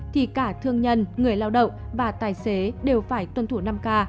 thì cả thương nhân người lao động và tài xế đều phải tuân thủ năm k